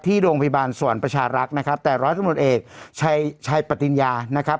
ที่โรงพยาบาลศวรประชาลักษมณ์นะครับแต่ร้อยธรรมต์เอกใช้ใช้ประติญานะครับ